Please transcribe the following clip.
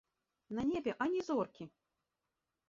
На небе ані зоркі.